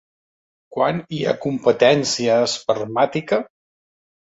Quan hi ha competència espermàtica?